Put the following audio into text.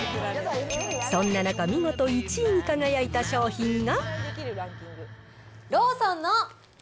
そんな中、見事１位に輝いた商品が。